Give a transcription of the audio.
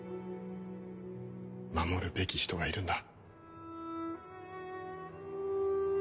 守るべき人がいるんだ。